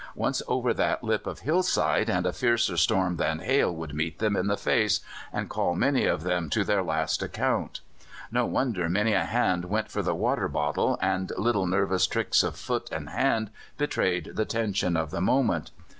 Once over that lip of hillside and a fiercer storm than hail would meet them in the face, and call many of them to their last account. No wonder many a hand went for the water bottle, and little nervous tricks of foot and hand betrayed the tension of the moment.